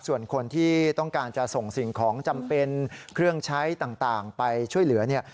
ส่วนคนที่ต้องการจะส่งสิ่งของจำเป็นเครื่องใช้ต่างไปช่วยเหลือเนี่ย